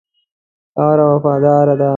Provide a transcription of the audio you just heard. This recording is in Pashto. خاوره وفاداره ده.